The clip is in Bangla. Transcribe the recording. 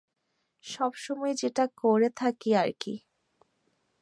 সবসময় যেটা করে থাকি আরকি।